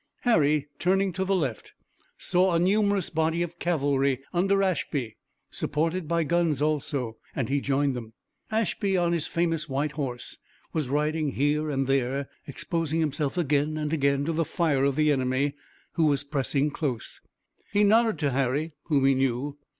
Harry, turning to the left, saw a numerous body of cavalry under Ashby, supported by guns also, and he joined them. Ashby on his famous white horse was riding here and there, exposing himself again and again to the fire of the enemy, who was pressing close. He nodded to Harry, whom he knew.